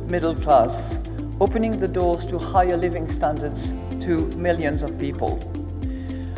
membuka pintu kestandaran hidup yang lebih tinggi untuk jutaan orang